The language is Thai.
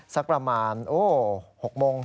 สักประมาณ๖โมง